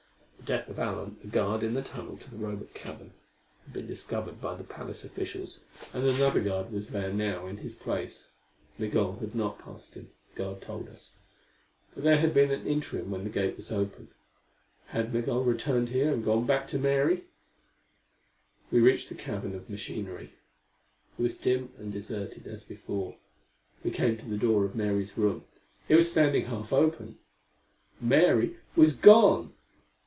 The death of Alent, the guard in the tunnel to the Robot cavern, had been discovered by the palace officials, and another guard was there now in his place. Migul had not passed him, this guard told us. But there had been an interim when the gate was open. Had Migul returned here and gone back to Mary? We reached the cavern of machinery. It was dim and deserted, as before. We came to the door of Mary's room. It was standing half open! Mary was gone!